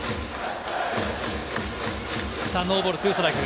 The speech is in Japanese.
ノーボール２ストライク。